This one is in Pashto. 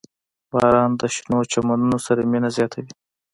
• باران د شنو چمنونو سره مینه زیاتوي.